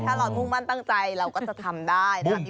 ถ้าเรามุ่งมั่นตั้งใจเราก็จะทำได้นะครับ